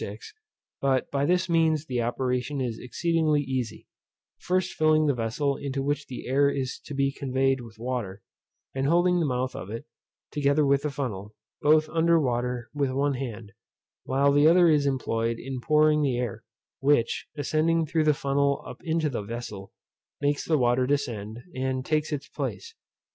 6, but by this means the operation is exceedingly easy; first filling the vessel into which the air is to be conveyed with water, and holding the mouth of it, together with the funnel, both under water with one hand, while the other is employed in pouring the air; which, ascending through the funnel up into the vessel, makes the water descend, and takes its place.